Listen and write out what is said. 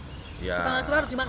suka nggak suka harus dimakan